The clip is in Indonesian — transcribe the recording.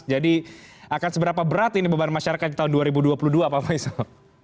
jadi akan seberapa berat ini beban masyarakat di tahun dua ribu dua puluh dua pak faisal